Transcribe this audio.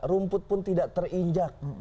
rumput pun tidak terinjak